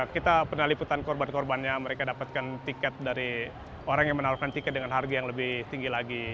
kita peneliputan korban korbannya mereka dapatkan tiket dari orang yang menawarkan tiket dengan harga yang lebih tinggi lagi